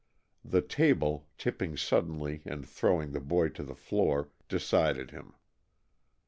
The table, tipping suddenly and throwing the boy to the floor, decided him.